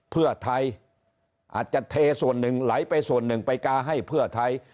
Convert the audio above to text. เพื่อไทยอาจจะเทส่วนหนึ่งไหลไปส่วนหนึ่งไปกาให้เพื่อไทย